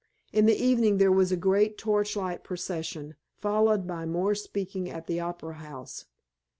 In the evening there was a great torchlight procession, followed by more speaking at the Opera House.